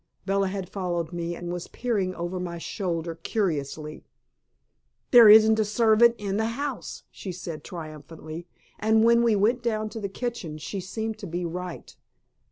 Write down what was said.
Bella had followed me and was peering over my shoulder curiously. "There isn't a servant in the house," she said triumphantly. And when we went down to the kitchen, she seemed to be right.